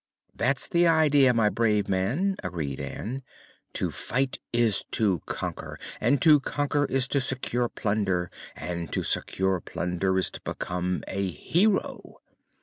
"That's the idea, my brave man!" agreed Ann. "To fight is to conquer and to conquer is to secure plunder and to secure plunder is to become a hero.